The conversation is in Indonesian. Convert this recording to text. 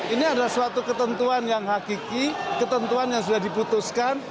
ini adalah suatu ketentuan yang hakiki ketentuan yang sudah diputuskan